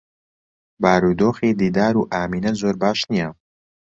بارودۆخی دیدار و ئامینە زۆر باش نییە.